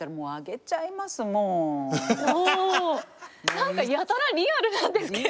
何かやたらリアルなんですけど。